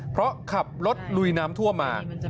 เพราะขับรถลุยน้ำท่วมมา